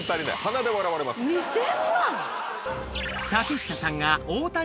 ２０００万。